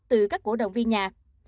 từ các cổ động viên nhà